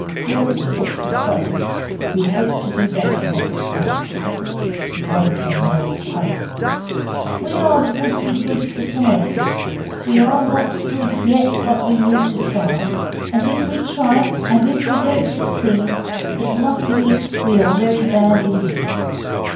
Dora's foot was hurt. We hope to do better next time."' Then came Noel's poem: 'We are the Wouldbegoods Society, We are not good yet, but we mean to try, And if we try, and if we don't succeed, It must mean we are very bad indeed.